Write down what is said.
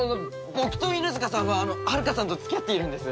僕と犬塚さんははるかさんと付き合っているんです。